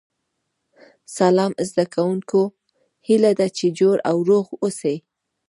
سلام زده کوونکو هیله ده چې جوړ او روغ اوسئ